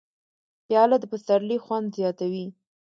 پیاله د پسرلي خوند زیاتوي.